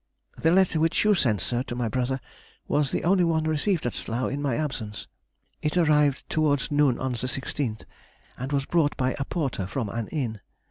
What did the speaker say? The letter which you sent, sir, to my brother, was the only one received at Slough in my absence; it arrived towards noon on the 16th, and was brought by a porter from an inn.